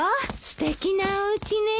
すてきなおうちね。